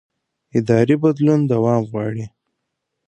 اداري بدلون دوام غواړي